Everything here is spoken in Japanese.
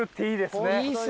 いいですね。